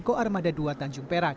koarmada dua tanjung perak